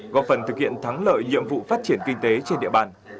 góp phần thực hiện thắng lợi nhiệm vụ phát triển kinh tế trên địa bàn